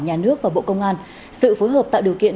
nhà nước và bộ công an sự phối hợp tạo điều kiện